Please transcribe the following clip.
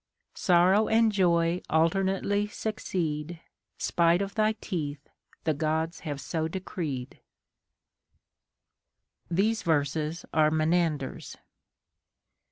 Sorrow and joy alternately succeed ; 'Spite of thy teeth, the Gods have so decreed.f These verses are Menander's.